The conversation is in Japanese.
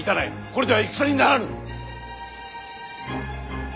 これでは戦にならぬ。